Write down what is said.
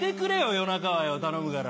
夜中は頼むから。